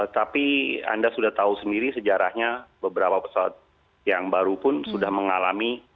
tapi anda sudah tahu sendiri sejarahnya beberapa pesawat yang baru pun sudah mengalami